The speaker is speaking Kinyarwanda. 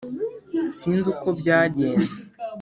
sinzi uko byagenze.